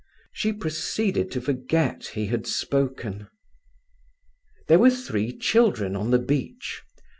She proceeded to forget he had spoken. There were three children on the beach.